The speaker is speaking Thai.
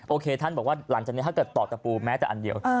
ท่านบอกว่าหลังจากนี้ถ้าเกิดตอกตะปูแม้แต่อันเดียว